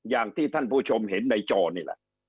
อย่างที่ท่านผู้ชมเห็นในจอนี่แหละ